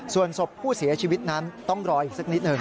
ส่วนศพผู้เสียชีวิตนั้นต้องรออีกสักนิดหนึ่ง